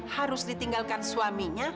harus ditinggalkan seorang pengantin baru